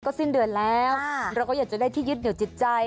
สิ้นเดือนแล้วเราก็อยากจะได้ที่ยึดเหนียวจิตใจ